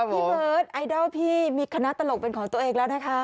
เบิร์ตไอดอลพี่มีคณะตลกเป็นของตัวเองแล้วนะคะ